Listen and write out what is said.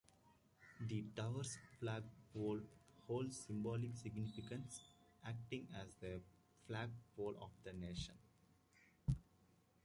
The tower's flagpole holds symbolic significance, acting as the flagpole of the nation.